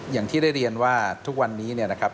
อย่างที่ได้เรียนว่าทุกวันนี้เนี่ยนะครับ